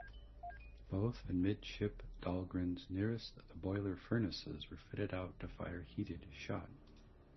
Both amidship Dahlgrens nearest the boiler furnaces were fitted-out to fire heated shot.